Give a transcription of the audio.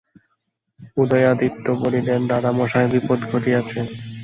উদয়াদিত্য বলিলেন, দাদামহাশয়, বিপদ ঘটিয়াছে।